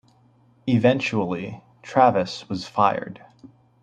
Eventually, Travis was fired.